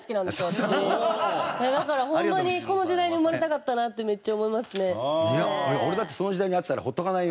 だからホンマにこの時代に生まれたかったなってめっちゃ思いますね。